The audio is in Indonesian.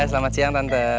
selamat siang tante